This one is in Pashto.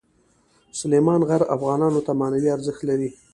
سلیمان غر افغانانو ته معنوي ارزښت لري.